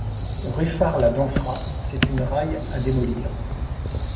Ruffard la dansera, c’est une raille à démolir.